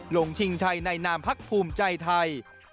ชิงชัยในนามพักภูมิใจไทย